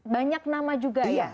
banyak nama juga ya